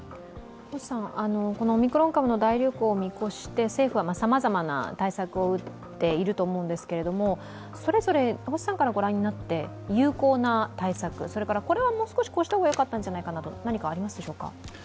このオミクロン株の大流行を見越して政府はさまざまな対策を打っていると思うんですけれどもそれぞれ、星さんから御覧になって有効な対策、これはこうした方がいいというものは何かありますでしょうか？